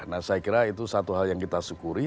nah saya kira itu satu hal yang kita syukuri